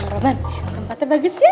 roman tempatnya bagus yah